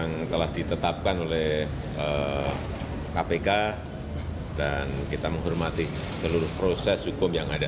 yang telah ditetapkan oleh kpk dan kita menghormati seluruh proses hukum yang ada